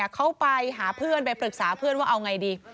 เขาไปหาเพื่อนไปปรึกษาเพื่อนว่าเอาไงดี